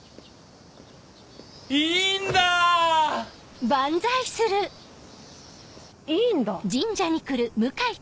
いいんだ！いいんだ？